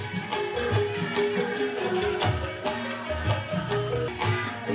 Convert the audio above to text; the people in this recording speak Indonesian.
dan memang mereka sudah jauh lagi untuk mencari abortion